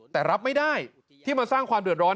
แต่รับไม่ได้ที่มาสร้างความเดือดร้อน